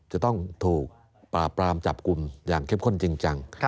จะต้องถูกปราบปรามจับกลุ่มอย่างเข้มข้นจริงจัง